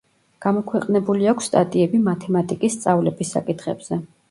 გამოქვეყნებული აქვს სტატიები მათემატიკის სწავლების საკითხებზე.